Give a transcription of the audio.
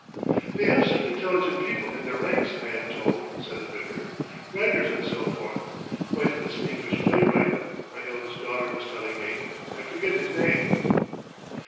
"They have some intelligent people in their ranks, I am told," said the vicar, "writers and so forth. Quite a distinguished playwright, my eldest daughter was telling me—I forget his name.